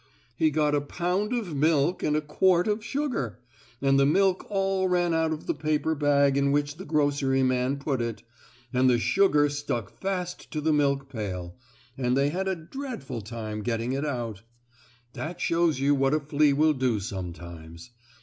"He got a pound of milk and a quart of sugar, and the milk all ran out of the paper bag in which the groceryman put it, and the sugar stuck fast to the milk pail, and they had a dreadful time getting it out. That shows you what a flea will do sometimes.